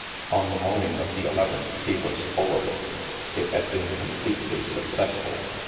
On the morning of the eleventh, he was full of it. It had been completely successful.